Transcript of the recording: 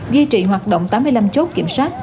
duy trì hoạt động tám mươi năm chốt kiểm soát